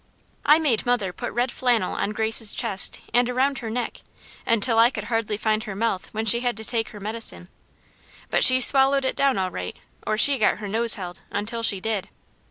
I made mother put red flannel on Grace's chest and around her neck, until I could hardly find her mouth when she had to take her medicine, but she swallowed it down all right, or she got her nose held, until she did.